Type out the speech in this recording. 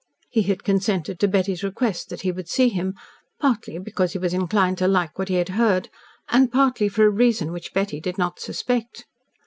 He had consented to Betty's request that he would see him, partly because he was inclined to like what he had heard, and partly for a reason which Betty did not suspect.